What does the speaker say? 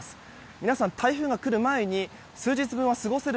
皆さん台風が来る前に数日分は過ごせる